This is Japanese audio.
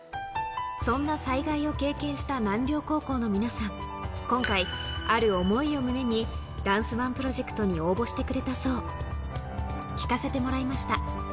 そんな災害を経験した南稜高校の皆さん、今回、ある想いを胸に、ダンスＯＮＥプロジェクトに応募してくれたそう。